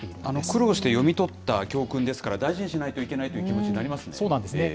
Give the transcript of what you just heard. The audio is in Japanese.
苦労して読み取った教訓ですから、大事にしないといけないとそうなんですね。